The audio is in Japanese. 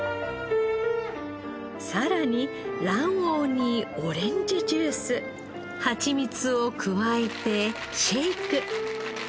さらに卵黄にオレンジジュースはちみつを加えてシェイク。